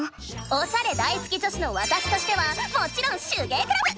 おしゃれ大好き女子のわたしとしてはもちろん手芸クラブ！